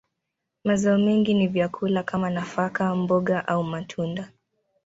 Mazao mengi ni vyakula kama nafaka, mboga, au matunda.